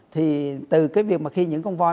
thì từ cái việc mà khi những con voi